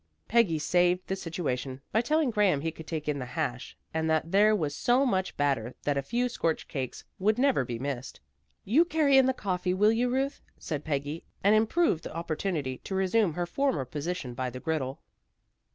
Peggy saved the situation by telling Graham he could take in the hash, and that there was so much batter that a few scorched cakes would never be missed. "You carry in the coffee, will you, Ruth?" said Peggy, and improved the opportunity to resume her former position by the griddle.